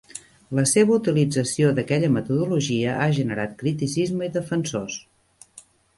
La seva utilització d"aquella metodologia ha generat criticisme i defensors.